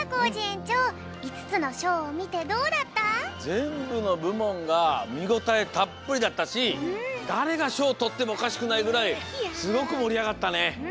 ぜんぶのぶもんがみごたえたっぷりだったしだれがしょうをとってもおかしくないぐらいすごくもりあがったね。